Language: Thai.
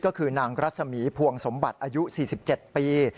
ก็คือนางรัศมีพวงสมบัติอายุ๔๗ปี